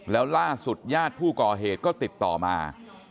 แล้วล่าสุดญาติผู้ก่อเหตุก็ติดต่อมา